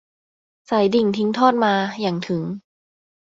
สายดิ่งทิ้งทอดมา หยั่งถึง